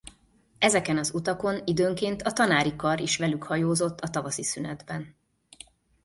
Ezeken az utakon időnként a tanári kar is velük hajózott a tavaszi szünetben.